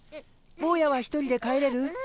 ぼうやは１人で帰れる？